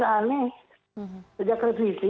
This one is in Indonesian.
aneh sejak reziti